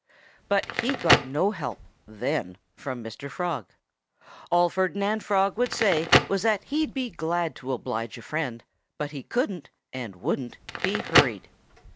But he got no help then from Mr. Frog. All Ferdinand Frog would say was that he'd be glad to oblige a friend, but he couldn't and wouldn't be hurried.